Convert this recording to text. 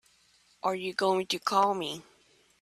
Are you going to call me?